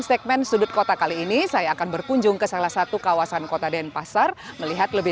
segmen sudut kota kali ini saya akan berkunjung ke salah satu kawasan kota denpasar melihat lebih